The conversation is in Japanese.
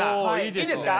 いいですか？